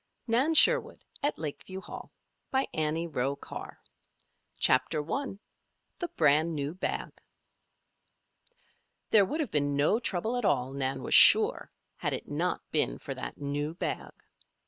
NAN SHERWOOD AT LAKEVIEW HALL CHAPTER I THE BRAND NEW BAG There would have been no trouble at all, Nan was sure, had it not been for that new bag.